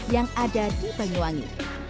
yang ada di banyuwangi